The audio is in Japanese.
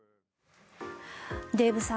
デーブさん